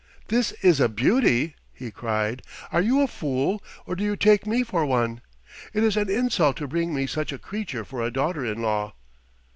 "This a beauty!" he cried. "Are you a fool or do you take me for one? It is an insult to bring me such a creature for a daughter in law."